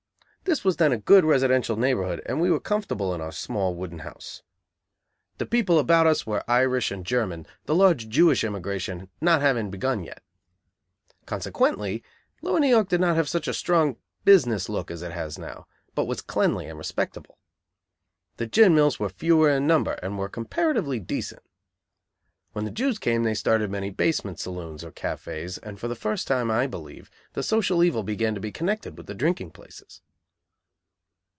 This was then a good residential neighborhood, and we were comfortable in our small, wooden house. The people about us were Irish and German, the large Jewish emigration not having begun yet. Consequently, lower New York did not have such a strong business look as it has now, but was cleanly and respectable. The gin mills were fewer in number, and were comparatively decent. When the Jews came they started many basement saloons, or cafés, and for the first time, I believe, the social evil began to be connected with the drinking places.